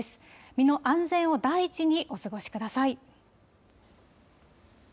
身の安全を第一にお過ごしください。